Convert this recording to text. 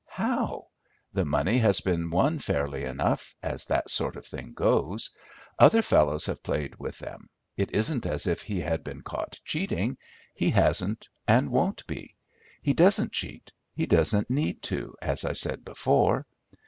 "How? The money has been won fairly enough, as that sort of thing goes. Other fellows have played with them. It isn't as if he had been caught cheating—he hasn't, and won't be. He doesn't cheat—he doesn't need to, as I said before.